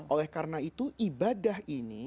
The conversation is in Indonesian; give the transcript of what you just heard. oleh karena itu ibadah ini